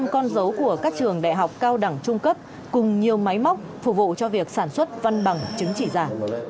một hai trăm linh con dấu của các trường đại học cao đẳng trung cấp cùng nhiều máy móc phục vụ cho việc sản xuất văn bằng chứng chỉ giả